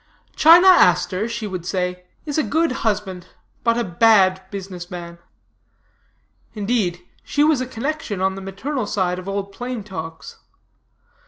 'China Aster,' she would say, 'is a good husband, but a bad business man!' Indeed, she was a connection on the maternal side of Old Plain Talk's.